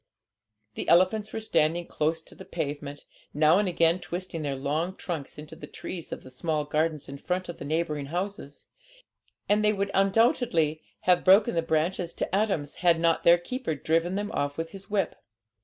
The elephants were standing close to the pavement, now and again twisting their long trunks into the trees of the small gardens in front of the neighbouring houses; and they would undoubtedly have broken the branches to atoms had not their keeper driven them off with his whip.